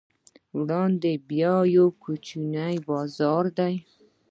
وړاندې بیا یو کوچنی بازار دی.